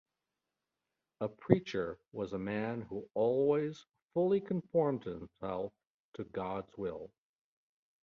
A preacher was a man who always fully conformed himself to God's will.